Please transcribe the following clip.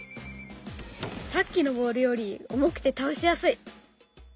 さっきのボールより重くて倒しやすい。